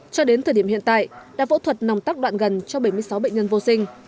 cho đến thời điểm hiện tại đã phẫu thuật nòng tắc đoạn gần cho bảy mươi sáu bệnh nhân vô sinh